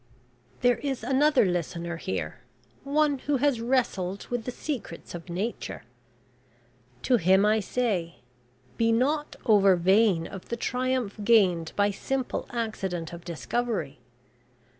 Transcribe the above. "There is another listener here one who has wrestled with the secrets of Nature. To him I say, `Be not over vain of the triumph gained by simple accident of discovery.